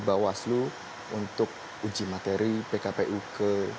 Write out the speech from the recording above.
bawaslu untuk uji materi pkpu ke